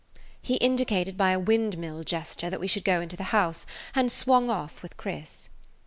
He indicated by a windmill gesture that we should go into the house, and swung off with Chris.